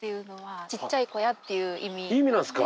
意味なんすか？